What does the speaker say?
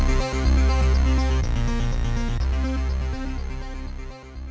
โปรดติดตามตอนต่อไป